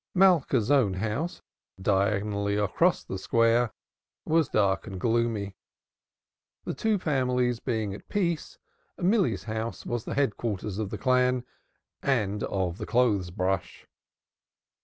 Malka's own house, diagonally across the Square, was dark and gloomy. The two families being at peace, Milly's house was the headquarters of the clan and the clothes brush.